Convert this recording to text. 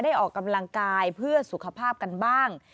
ออกกำลังกายเพื่อสุขภาพกันบ้าง